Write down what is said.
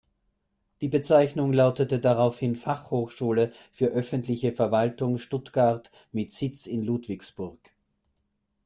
Die Bezeichnung lautete daraufhin "Fachhochschule für öffentliche Verwaltung Stuttgart mit Sitz in Ludwigsburg".